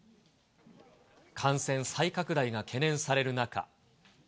感染再拡大が懸念される中。